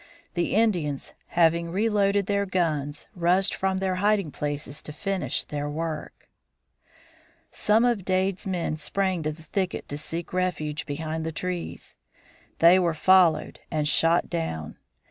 The Indians having reloaded their guns, rushed from their hiding places to finish their work. [Illustration: FLORIDA SWAMP] Some of Dade's men sprang to the thicket to seek refuge behind trees. They were followed and shot down.